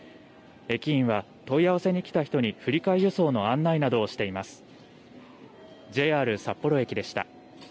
駅員は問い合わせに来た人に振り替え輸送の案内などをしています。